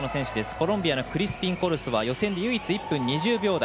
コロンビアのクリスピンコルソは予選で唯一１分２０秒台。